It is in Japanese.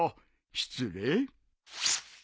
失礼。